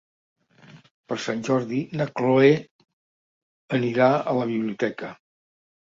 Per Sant Jordi na Cloè anirà a la biblioteca.